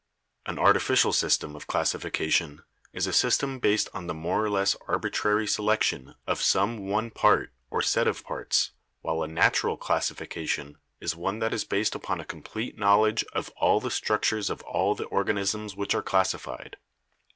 An artificial system of classification is a system based on the more or less arbitrary selection of some one part or set of parts, while a natural classification is one that is based upon a complete knowledge of all the structures of all the organisms which are classified.